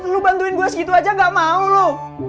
lu bantuin gue segitu aja gak mau lo